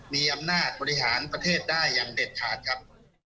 มีอำนาจบริหารประเทศได้อย่างเด็ดขาดครับ